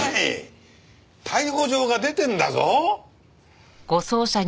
逮捕状が出てるんだぞ。